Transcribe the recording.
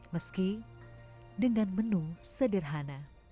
meski dengan menu sederhana